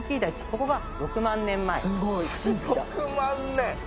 ここが６万年前６万年！